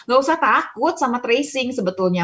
gak usah takut sama tracing sebetulnya